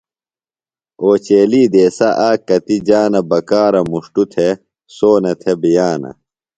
اوچیلی دیسہ آک کتیۡ جانہ بکارہ مُݜٹوۡ تھےۡ سونہ تھےۡ بِیانہ۔